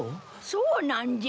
そうなんじゃ。